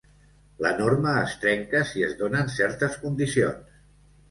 La norma es trenca si es donen certes condicions.